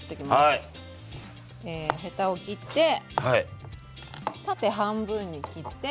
ヘタを切って縦半分に切って。